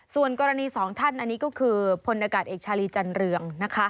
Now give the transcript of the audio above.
ส่วนกรณีสองท่านอันนี้ก็คือพลอากาศเอกชาลีจันเรืองนะคะ